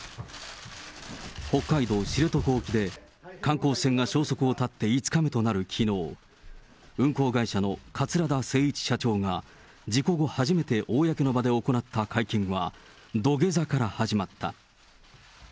北海道知床沖で、観光船が消息を絶って５日目となるきのう、運航会社の桂田精一社長が、事故後初めて、公の場で行った会見は、土下座から始まった。